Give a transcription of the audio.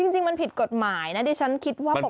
จริงมันผิดกฎหมายนะดิฉันคิดว่า